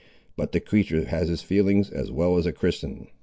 But the creatur' has his feelings as well as a Christian.